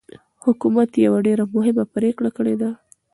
حکومت يوه ډېره مهمه پرېکړه کړې ده.